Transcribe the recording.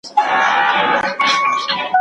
بهرنۍ پالیسي د کلتور اغېز نه نادیده نه نیسي.